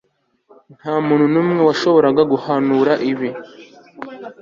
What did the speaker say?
Ntamuntu numwe washoboraga guhanura ibi